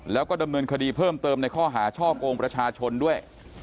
แล้วก็ดำเนินคดีเพิ่มเติมในข้อหาช่อกงประชาชนด้วย